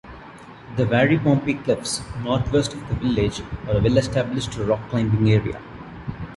The Varympompi cliffs, northwest of the village, are a well-established rock climbing area.